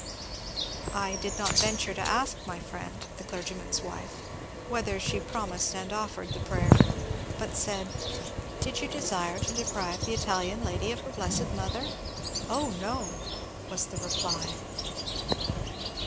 " I did not venture to ask my friend — the clergyman's wife — whether she promised and offered the prayer, but said, • Did you desire to deprive the Italian lady of her blessed Mother ?'*" Oh, no !" was the reply.